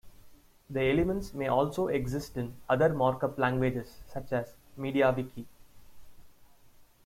The elements may also exist in other markup languages, such as MediaWiki.